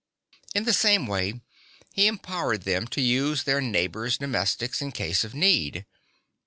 In the same way he empowered them to use their neighbour's (4) domestics in case of need.